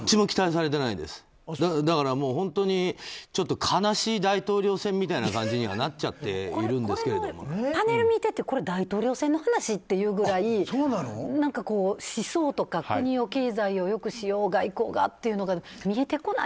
だから、本当に悲しい大統領選みたいな感じにはパネル見ててこれ大統領選の話？っていうくらい思想とか、国を経済を良くしよう外交がっていうのが見えてこない。